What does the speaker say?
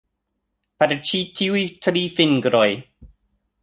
Per ĉi tiuj tri fingroj.